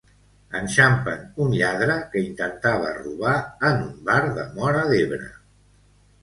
Enxampen un lladre que intentava robar en un bar de Móra d'Ebre.